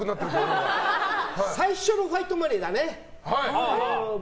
最初のファイトマネーだね。